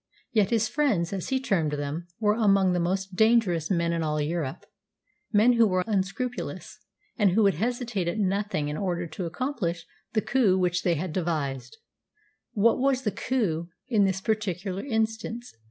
Yet his "friends," as he termed them, were among the most dangerous men in all Europe men who were unscrupulous, and would hesitate at nothing in order to accomplish the coup which they had devised. What was the coup in this particular instance?